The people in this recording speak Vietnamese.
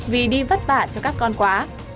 vì đi vất vả cho các con quá